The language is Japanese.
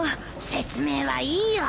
説明はいいよ。